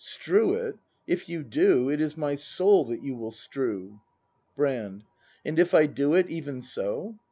Strew it! If you do. It is my soul that you will strew! Brand. And if I do it, even so